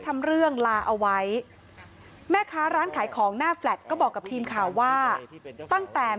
ทีมข่าวของเราก็เลยไปตรวจสอบที่แฟลต์ตำรวจที่สอบภาวเมืองชายนาฏไปดูเบาะแสตามที่ชาวเน็ตแจ้งมาว่า